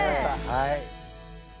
はい。